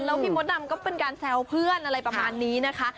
แล้วพี่มดดำก็เป็นการแซวเพื่อนอะไรประมาณนี้นะคะ